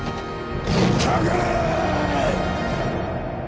かかれ！